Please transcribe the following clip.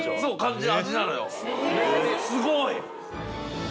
すごい！